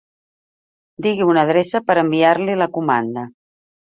Digui una adreça per a enviar-li la comanda.